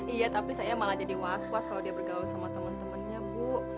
iya tapi saya malah jadi was was kalau dia bergaul sama teman temannya bu